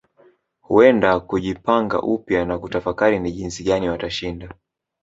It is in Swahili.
Huenda kujipanga upya na kutafakari ni jinsi gani watashinda